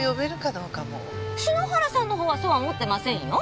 篠原さんの方はそうは思ってませんよ。